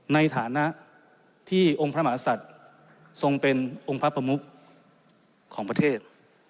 ในฐานะที่องค์พระมหาศัตริย์ทรงเป็นองค์พระประมุขของประเทศ